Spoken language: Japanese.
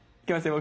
僕。